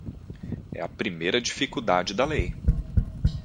É a primeira dificuldade da lei.